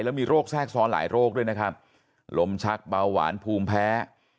แล้วมีโรคแทรกซ้อนหลายโรคด้วยนะครับลมชักเบาหวานภูมิแพ้